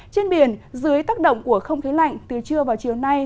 trên biển dưới tác động của không khí lạnh từ trưa vào chiều nay